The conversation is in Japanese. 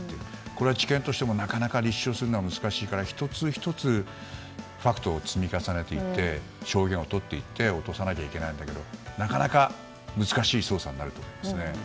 これは、地検としてもなかなか立証するのは難しいので１つ１つファクトを積み重ねていって証言を取っていって落とさなきゃいけないけどなかなか難しい捜査になると思います。